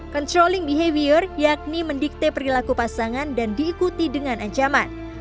controlling behavior yakni mendikte perilaku pasangan dan diikuti dengan ancaman